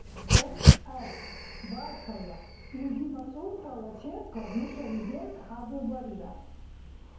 М.Гӏ.: — Баркалла, илди масъултала чебкад нушани белкӏ хӏядурбарира.